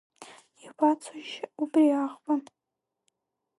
Иабацоишь убри аӷба?